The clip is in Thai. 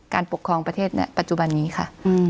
ปกครองประเทศปัจจุบันนี้ค่ะ